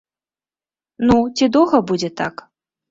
Ну, ці доўга будзе так?!